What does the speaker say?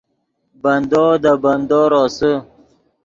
بندو دے بندو روسے